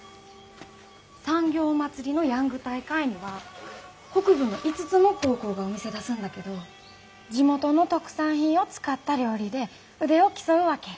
産業まつりのヤング大会には北部の５つの高校がお店出すんだけど地元の特産品を使った料理で腕を競うわけ。